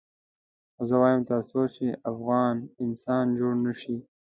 خو زه وایم تر څو چې افغان انسان جوړ نه شي.